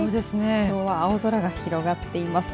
きょうは青空が広がっています。